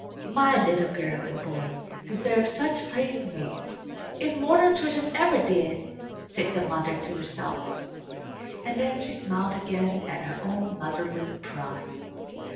"My little girl and boy deserve such playmates, if mortal children ever did!" said the mother to herself; and then she smiled again at her own motherly pride.